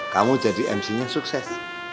kamu jadi mc nya sukses